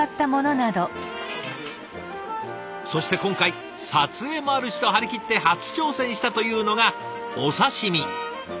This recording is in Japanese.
そして今回撮影もあるしと張り切って初挑戦したというのがお刺身。